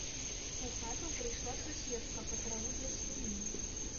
У хату прыйшла суседка па траву для свіней.